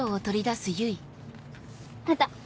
あった。